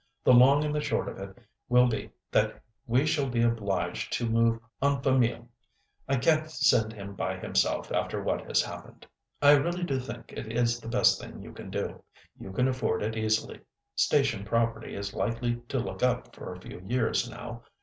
The long and the short of it will be that we shall be obliged to move en famille. I can't send him by himself after what has happened." "I really do think it is the best thing you can do. You can afford it easily. Station property is likely to look up for a few years now.